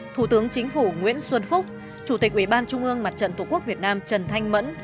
thủ tướng chính phủ nguyễn xuân phúc chủ tịch ủy ban trung ương mặt trận tổ quốc việt nam trần thanh mẫn